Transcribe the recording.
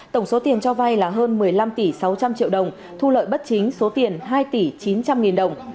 tổng số tiền cho vay là hơn một mươi năm tỷ sáu trăm linh triệu đồng thu lợi bất chính số tiền hai tỷ chín trăm linh nghìn đồng